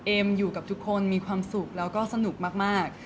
อยู่กับทุกคนมีความสุขแล้วก็สนุกมาก